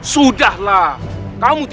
saat yang baru